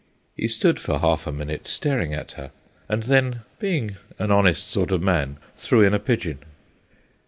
He stood for half a minute staring at her, and then, being an honest sort of man, threw in a pigeon.